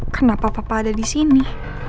kenapa papa ada disini